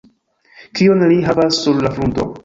Kion li havas sur la frunto?